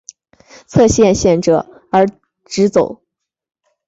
侧线显着而直走。